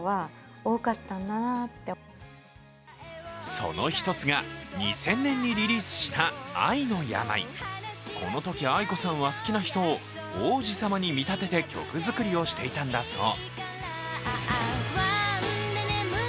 その一つが、２０００年にリリースした「愛の病」。このときａｉｋｏさんは好きな人を王子様に見立てて曲作りをしていたんだそう。